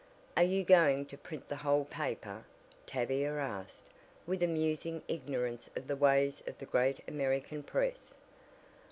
"Are you going to print the whole paper?" Tavia asked, with amusing ignorance of the ways of the Great American Press.